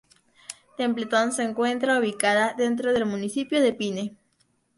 Templeton se encuentra ubicada dentro del municipio de Pine.